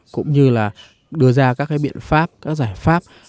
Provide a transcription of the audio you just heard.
cũng như là đưa ra các cái biện pháp các giải pháp